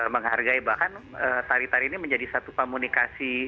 menghargai bahkan tari tari ini menjadi satu komunikasi